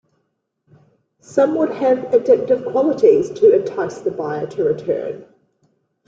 Some would have addictive qualities to entice the buyer to return.